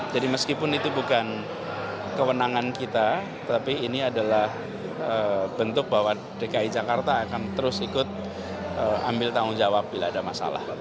jadi meskipun itu bukan kewenangan kita tapi ini adalah bentuk bahwa dki jakarta akan terus ikut ambil tanggung jawab bila ada masalah